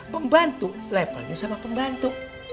pembantu levelnya sama pembantu